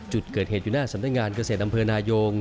จุดเกิดเหตุอยู่หน้าสำนักงานเกษตรอำเภอนายง